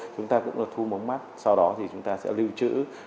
chúng ta cũng là thu mống mắt sau đó thì chúng ta sẽ lưu trữ